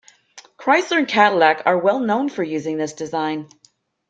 Chrysler and Cadillac are well known for using this design.